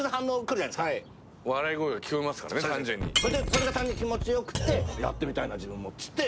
それが単に気持ち良くてやってみたいな自分もっつって始めるんすよ。